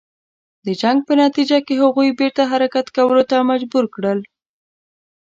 د جنګ په نتیجه کې هغوی بیرته حرکت کولو ته مجبور کړل.